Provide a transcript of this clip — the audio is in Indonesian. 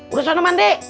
udah sana mandi